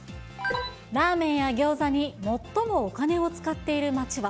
ラーメンやギョーザに最もお金を使っている町は。